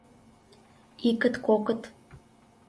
Икыт, кокыт...